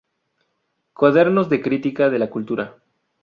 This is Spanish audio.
Cuadernos de Crítica de la Cultura".